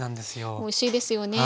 おいしいですよね。